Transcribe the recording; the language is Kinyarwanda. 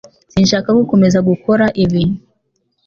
Sinshaka gukomeza gukora ibi